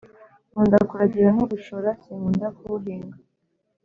Nkunda kuragira no gushora sinkunda huhinga.